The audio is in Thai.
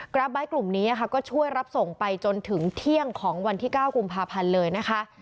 ราฟไบท์กลุ่มนี้ก็ช่วยรับส่งไปจนถึงเที่ยงของวันที่๙กุมภาพันธ์เลยนะคะ